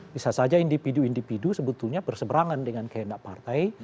bisa saja individu individu sebetulnya berseberangan dengan kehendak partai